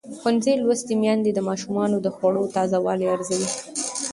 ښوونځې لوستې میندې د ماشومانو د خوړو تازه والی ارزوي.